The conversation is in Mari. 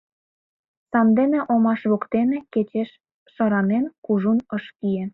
Сандене омаш воктене, кечеш шыранен, кужун ыш кие.